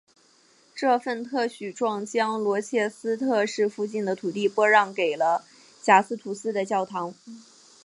这份特许状将罗切斯特市附近的土地拨让给了贾斯图斯的教堂。